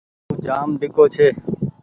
اُو جآم ڍيڳو ڇي۔